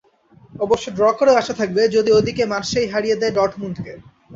অবশ্য ড্র করেও আশা থাকবে, যদি ওদিকে মার্শেই হারিয়ে দেয় ডর্টমুন্ডকে।